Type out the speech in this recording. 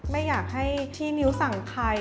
ไม่อยากให้ที่นิ้วสั่งใคร